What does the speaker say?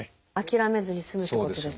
諦めずに済むってことですね。